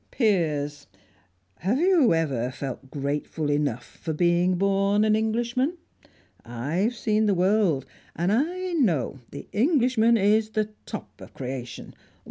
"Piers, have you ever felt grateful enough for being born an Englishman? I've seen the world, and I know; the Englishman is the top of creation.